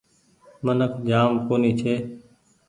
منک جآم ڪونيٚ ڇي۔